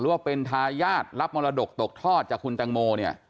หรือว่าเป็นทายาทรับมรดกตกทอดจากคุณตังโม